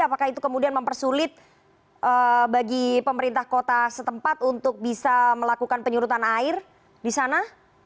apakah itu kemudian mempersulit bagi pemerintah kota setempat untuk bisa melakukan penyurutan air di sana